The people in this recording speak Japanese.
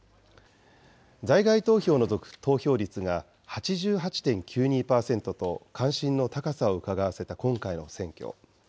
在外投票の投票率が８８．９２％と、関心の高さをうかがわせた今回の選挙。